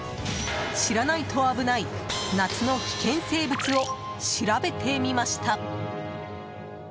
知らないと危ない夏の危険生物を調べてみました。